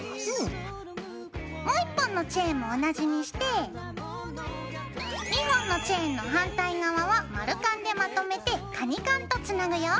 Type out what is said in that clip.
もう１本のチェーンも同じにして２本のチェーンの反対側は丸カンでまとめてカニカンとつなぐよ。